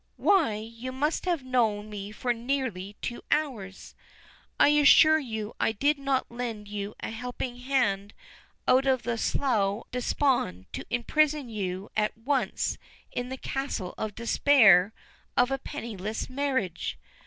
Why, you must have known me for nearly two hours! I assure you I did not lend you a helping hand out of the Slough of Despond to imprison you at once in the Castle Despair of a penniless marriage.